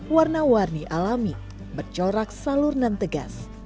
warna warni alami bercorak salur nan tegas